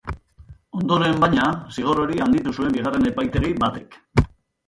Ondoren, baina, zigor hori handitu zuen bigarren epaitegi batek.